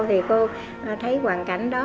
thì cô thấy hoàn cảnh đó